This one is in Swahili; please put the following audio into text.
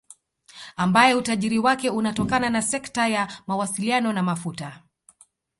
Ambaye utajiri wake unatokana na sekta ya mawasiliano na mafuta